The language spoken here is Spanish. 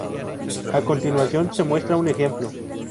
A continuación se muestra un ejemplo.